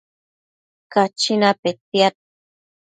Cachina petiad